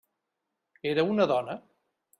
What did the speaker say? Era una dona.